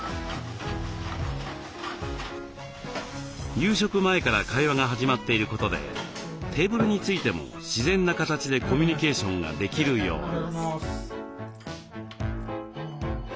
夕食前から会話が始まっていることでテーブルについても自然な形でコミュニケーションができるように。